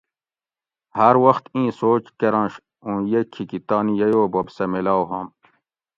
ھاۤر وخت اِیں سوچ کرنش اوں یہ کھیکی تانی ییو بوب سہ میلاؤ ہوم